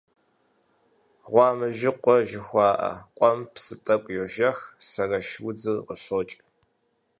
«Гъуамэжьыкъуэ» жыхуаӀэ къуэм псы тӀэкӀу йожэх, сэрэш удзыр къыщокӀ.